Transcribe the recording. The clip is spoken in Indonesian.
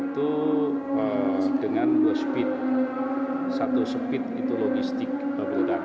dua anggota kita ini adalah sembilan